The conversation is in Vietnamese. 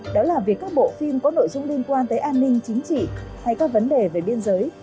đó là việc các bộ phim có nội dung liên quan tới an ninh chính trị hay các vấn đề về biên giới